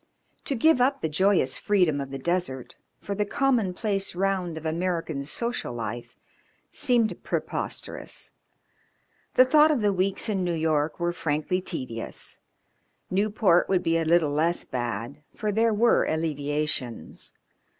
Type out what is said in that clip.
To give up the joyous freedom of the desert for the commonplace round of American social life seemed preposterous. The thought of the weeks in New York were frankly tedious; Newport would be a little less bad, for there were alleviations.